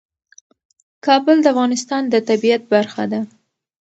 کابل د افغانستان د طبیعت برخه ده.